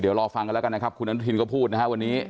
เดี๋ยวรอฟังกันแล้วกันนะครับคุณอนุทินก็พูดนะครับวันนี้